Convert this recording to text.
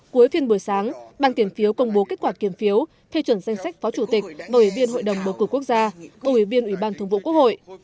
cuối phiên buổi sáng ban kiểm phiếu công bố kết quả kiểm phiếu phê chuẩn danh sách phó chủ tịch và ủy viên hội đồng bầu cử quốc gia bầu ủy viên ủy ban thường vụ quốc hội